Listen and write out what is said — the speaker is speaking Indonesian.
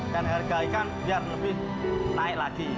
dan harga ikan biar lebih naik lagi